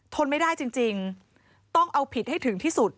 ทนไม่ได้จริงต้องเอาผิดให้ถึงที่สุด